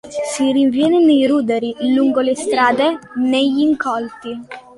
Si rinviene nei ruderi, lungo le strade, negli incolti.